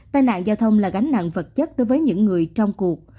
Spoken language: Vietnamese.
tai nạn giao thông là gánh nặng vật chất đối với những người trong cuộc